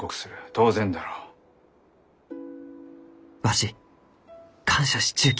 当然だろう？わし感謝しちゅうき。